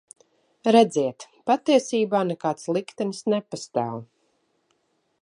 Redziet, patiesībā nekāds liktenis nepastāv.